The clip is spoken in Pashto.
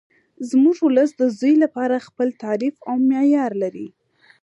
زموږ ولس د زوی لپاره خپل تعریف او معیار لري